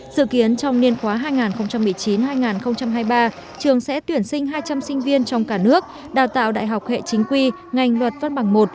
dự kiến trong niên khóa hai nghìn một mươi chín hai nghìn hai mươi ba trường sẽ tuyển sinh hai trăm linh sinh viên trong cả nước đào tạo đại học hệ chính quy ngành luật văn bằng một